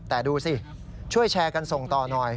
แต่ดูสิช่วยแชร์กันส่งต่อหน่อย